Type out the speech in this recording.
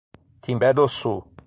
Timbé do Sul